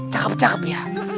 cukup cakep ya